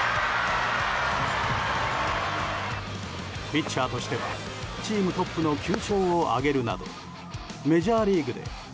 ピッチャーとしてはチームトップの９勝を挙げるなどメジャーリーグで１００年